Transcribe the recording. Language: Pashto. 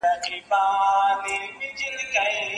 څېړنه د کومو مطالعو پر بنسټ ولاړه وي؟